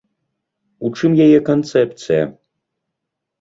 У чым яе канцэпцыя?